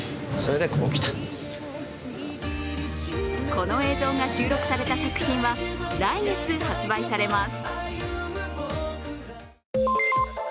この映像が収録された作品は来月発売されます。